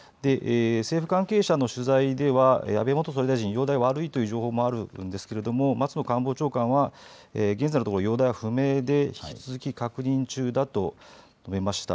政府関係者の取材では安倍元総理大臣容体は悪いという情報もあるんですけれども松野官房長官は現在のところ容体は不明で引き続き確認中だと述べました。